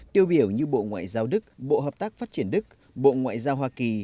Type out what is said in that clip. tiêu biểu như bộ ngoại giao đức bộ hợp tác phát triển đức bộ ngoại giao hoa kỳ